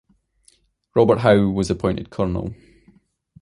Robert Howe was appointed colonel.